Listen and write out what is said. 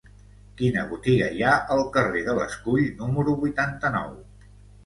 Quina botiga hi ha al carrer de l'Escull número vuitanta-nou?